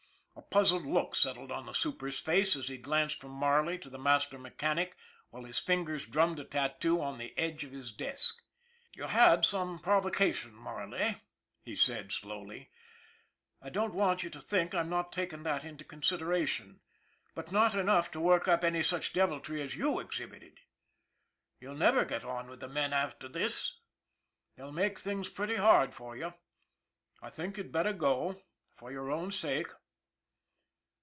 A puzzled look settled on the super's face as he glanced from Marley to the master mechanic, while his fingers drummed a tattoo on the edge of his desk. ' You had some provocation, Marley," he said slowly, " I don't want you to think I'm not taking that into consideration but not enough to work up any such deviltry as you exhibited. You'll never get on with the men here after this. They'll make things pretty hard for you. I think you'd better go for your own sake."